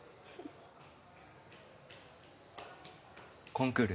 コンクール